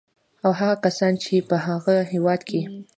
او هغه کسان چې په هغه هېواد کې